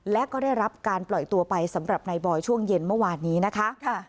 และก็ได้รับการปล่อยตัวไปสำหรับนายบอยช่วงเย็นเมื่อวานนี้นะคะ